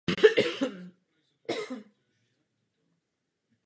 Na horním toku má charakter horské řeky a překonává mnohé peřeje.